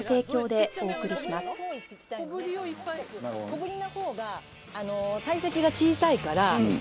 小ぶりな方が体積が小さいから。